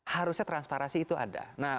harusnya transparansi itu ada